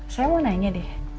saya mau nanya deh